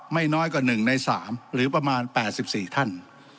ไม่น้อยกว่าหนึ่งในสามหรือประมาณ๘๔ท่าน